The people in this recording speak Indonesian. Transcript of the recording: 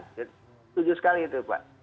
setuju sekali itu pak